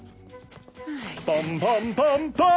パンパンパンパン。